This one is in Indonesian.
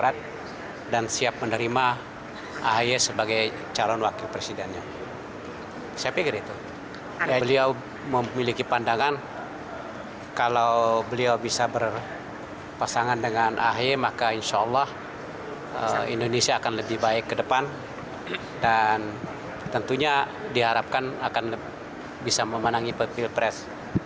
saya pikir itu beliau memiliki pandangan kalau beliau bisa berpasangan dengan ahy maka insya allah indonesia akan lebih baik ke depan dan tentunya diharapkan akan bisa memenangi pepil pres dua ribu sembilan belas